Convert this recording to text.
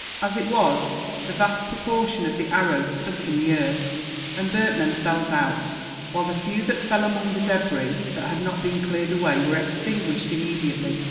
As it was, the vast proportion of the arrows stuck in the earth, and burnt themselves out; while the few that fell among the debris that had not been cleared away were extinguished, immediately.